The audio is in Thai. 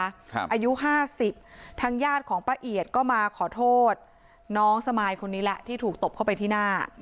อายุห้าสิบทางญาติของป้าเอียดก็มาขอโทษน้องสมายคนนี้แหละที่ถูกตบเข้าไปที่หน้า